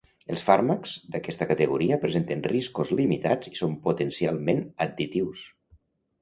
Els fàrmacs d'aquesta categoria presenten riscos limitats i són potencialment additius.